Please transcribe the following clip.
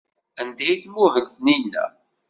Anda ay tmuhel Taninna?